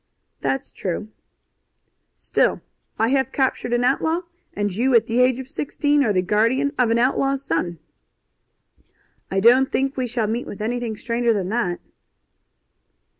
"That's true." "Still, I have captured an outlaw, and you at the age of sixteen are the guardian of an outlaw's son." "I don't think we shall meet with anything stranger than that."